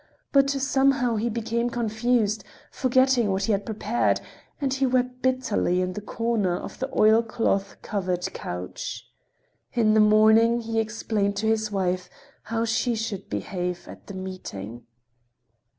But somehow he became confused, forgetting what he had prepared, and he wept bitterly in the corner of the oilcloth covered couch. In the morning he explained to his wife how she should behave at the meeting.